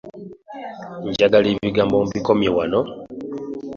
Njagala ebigambo mbikomye wano.